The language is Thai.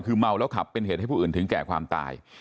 คือเมาแล้วขับเป็นเหตุให้ผู้อื่นถึงแก่ความตาย